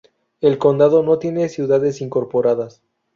El condado no tiene ciudades incorporadas.